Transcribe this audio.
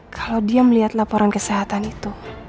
kalau dia melihat laporan kesehatan itu